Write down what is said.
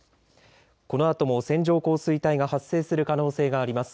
このあとも線状降水帯が発生する可能性があります。